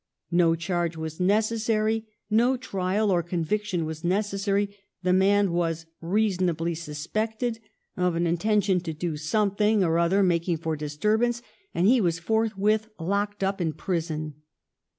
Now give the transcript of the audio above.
No charge was necessary, no trial or conviction was necessary; the man was "reasonably suspected" of an intention to do something or other making for disturbance and he was forthwith locked up in prison.